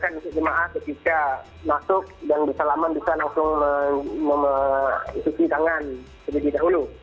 sehingga kejemaah bisa masuk dan bisa lama bisa langsung mengisi tangan terlebih dahulu